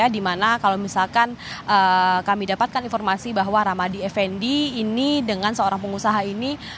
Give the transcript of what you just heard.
di mana kalau misalkan kami dapatkan informasi bahwa ramadi effendi ini dengan seorang pengusaha ini